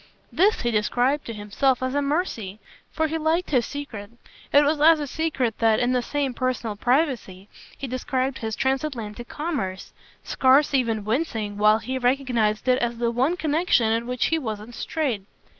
This he described to himself as a mercy, for he liked his secret. It was as a secret that, in the same personal privacy, he described his transatlantic commerce, scarce even wincing while he recognised it as the one connexion in which he wasn't straight.